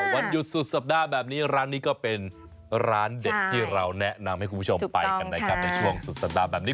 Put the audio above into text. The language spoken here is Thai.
วันหยุดสุดสัปดาห์แบบนี้ร้านนี้ก็เป็นร้านเด็ดที่เราแนะนำให้คุณผู้ชมไปกันนะครับในช่วงสุดสัปดาห์แบบนี้